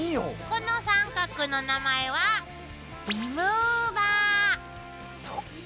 この三角の名前はそっか。